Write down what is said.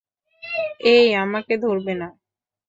এই আমাকে ধরবে না।